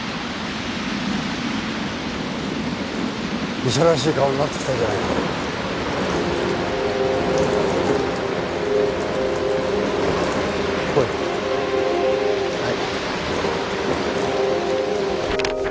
医者らしい顔になってきたじゃないか来いはい